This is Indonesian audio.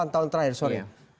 delapan tahun terakhir sorry